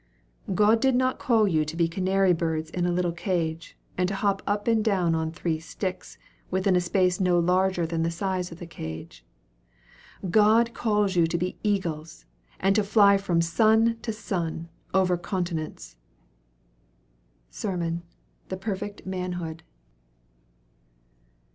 God did not call you to be canary birds in a little cage, and to hop up and down on three sticks, within a space no larger than the size of the cage. God calls you to be eagles, and to fly from sun to sun, over continents. SERMON: 'The Perfect Manhood.'